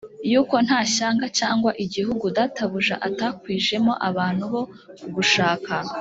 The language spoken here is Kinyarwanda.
yuko nta shyanga cyangwa igihugu databuja atakwijemo abantu bo kugushaka